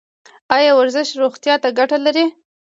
ایا ورزش روغتیا ته ګټه لري؟